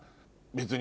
別に。